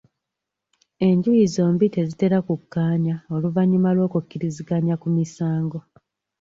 Enjuyi zombi tezitera kukkaanya oluvannyuma lw'okukkiriziganya ku misango.